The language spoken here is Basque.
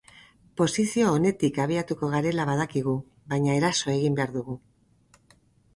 Posizio onetik abiatuko garela badakigu, baina eraso egin behar dugu.